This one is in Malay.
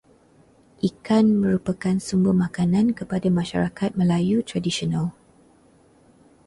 Ikan merupakan sumber makanan kepada masyarakat Melayu tradisional.